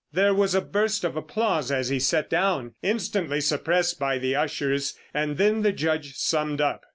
There was a burst of applause as he sat down—instantly suppressed by the ushers—and then the Judge summed up.